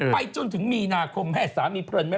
ไปจนถึงมีนาคมเป็นแหละเธอว่าท๊อปใจ